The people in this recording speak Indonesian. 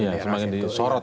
ya semakin disorot